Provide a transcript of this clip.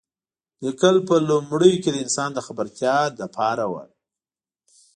لیکل په لومړیو کې د انسان د خبرتیا لپاره و.